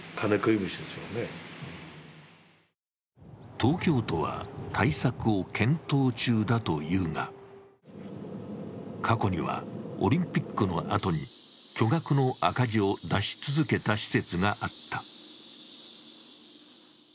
東京都は対策を検討中だと言うが、過去にはオリンピックのあとに巨額の赤字を出し続けた施設があった。